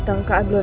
terima kasih pak